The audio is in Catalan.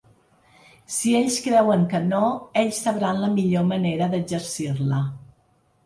Si ells creuen que no, ells sabran la millor manera d’exercir-la.